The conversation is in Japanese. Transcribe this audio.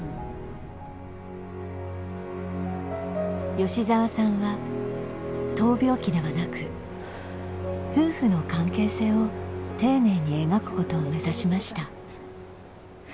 吉澤さんは闘病記ではなく夫婦の関係性を丁寧に描くことを目指しました。